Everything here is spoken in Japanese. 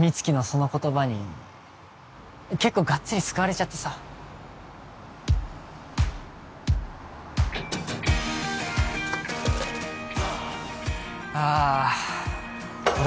美月のその言葉に結構がっつり救われちゃってさあ俺